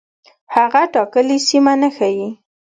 هغه ټاکلې سیمه نه ښيي.